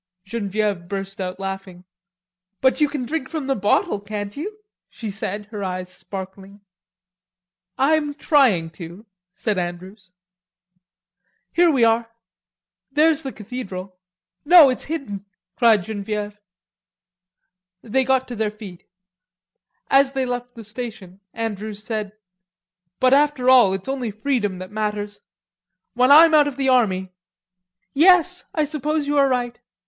Genevieve burst out laughing. "But you can drink from the bottle, can't you?" she said, her eyes sparkling. "I'm trying to," said Andrews. "Here we are. There's the cathedral. No, it's hidden," cried Genevieve. They got to their feet. As they left the station, Andrews said: "But after all, it's only freedom that matters. When I'm out of the army!..." "Yes, I suppose you are right...